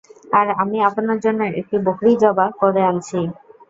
আর আমি আপনার জন্য একটি বকরী যবাহ করে আনছি।